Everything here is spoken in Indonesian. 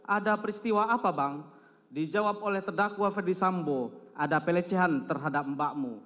ada peristiwa apa bang dijawab oleh terdakwa ferdisambo ada pelecehan terhadap mbakmu